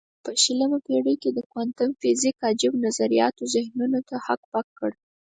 په شلمه پېړۍ کې د کوانتم فزیک عجیب نظریاتو ذهنونه هک پک کړل.